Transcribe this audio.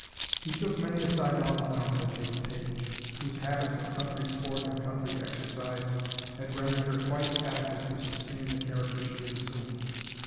He took many a sidelong glance at his page, whose habits of country sport and country exercise had rendered her quite adequate to sustain the character she had assumed.